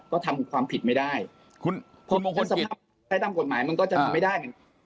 ก็ทำความผิดไม่ได้เพราะสภาพใช้ตามกฎหมายมันก็จะทำไม่ได้